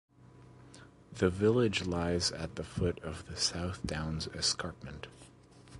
The village lies at the foot of the South Downs escarpment.